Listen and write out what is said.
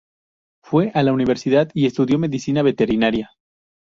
Fue a la universidad y estudió medicina veterinaria.